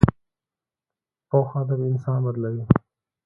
پوخ هدف انسان بدلوي